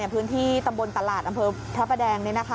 พื้นที่ตำบลตลาดอำเภอพระประแดง